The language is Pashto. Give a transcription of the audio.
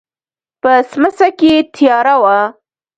په سمڅه کې تياره وه.